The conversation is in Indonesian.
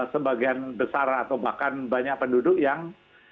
sebagian besar atau bahkan banyak penduduk yang